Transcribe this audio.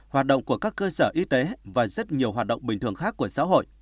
hoạt động của các cơ sở y tế và rất nhiều hoạt động bình thường khác của xã hội